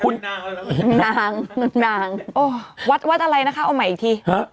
นางนางวัดอะไรนะคะเอาใหม่อีกที